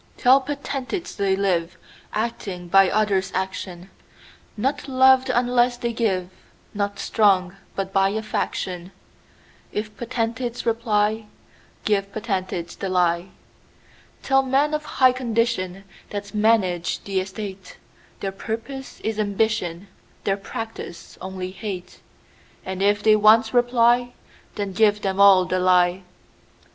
Tell potentates, they liveActing by others' action; Not loved unless they give, Not strong, but by a faction:If potentates reply, Give potentates the lie. Tell men of high condition, That manage the estate, Their purpose is ambition, Their practice only hate:And if they once reply, Then give them all the lie.